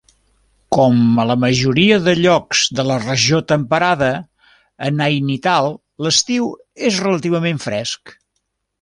Com a la majoria de llocs de la regió temperada, a Nainital l'estiu és relativament fresc.